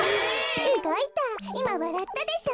うごいたいまわらったでしょ？